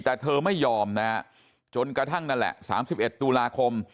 แต่เธอไม่ยอมนะฮะจนกระทั่งนั่นแหละ๓๑ตุลาคม